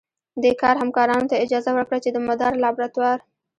دې کار همکارانو ته اجازه ورکړه چې د مدار لابراتوار